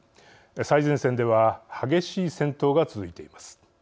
最前線では激しい戦闘が続いています。